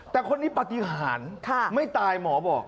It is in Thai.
แต่คนนี้ปฏิหารไม่ตายหมอบอก